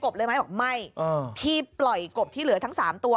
พี่ปล่อยกบที่เหลือทั้ง๓ตัว